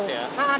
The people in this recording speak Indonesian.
dengan tegas ya